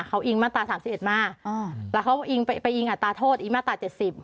เขาอิงมาตราสามสี่เอ็ดมากอ้อแล้วเขาอิงไปไปอิงอัตราโทษอิงมาตราเจ็ดสิบ